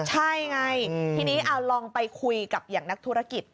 ใช่ไงทีนี้เอาลองไปคุยกับอย่างนักธุรกิจ